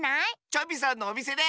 チョビさんのおみせで！